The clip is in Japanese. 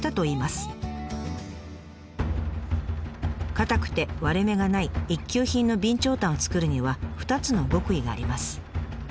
硬くて割れ目がない一級品の備長炭を作るには２つの極意があります。